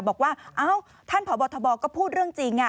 บอกว่าอ้าวท่านผ่อบทบอง็พูดเรื่องจริง